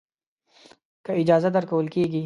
که اجازه درکول کېږي.